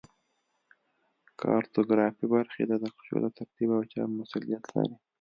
کارتوګرافي برخه د نقشو د ترتیب او چاپ مسوولیت لري